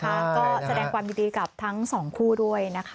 ก็แสดงความยินดีกับทั้งสองคู่ด้วยนะคะ